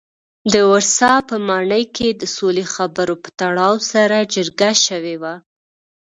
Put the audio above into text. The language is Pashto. د ورسا په ماڼۍ کې د سولې خبرو په تړاو سره جرګه شوي وو.